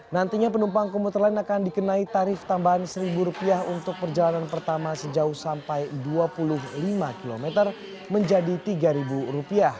nantinya penumpang komuter lain akan dikenai tarif tambahan rp satu untuk perjalanan pertama sejauh sampai rp dua puluh lima km menjadi rp tiga